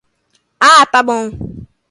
Ah, tá bom